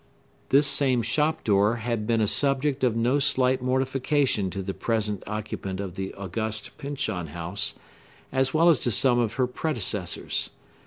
This same shop door had been a subject of no slight mortification to the present occupant of the august Pyncheon House, as well as to some of her predecessors.